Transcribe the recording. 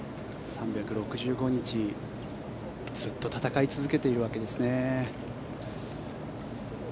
３６５日ずっと戦い続けているわけですね。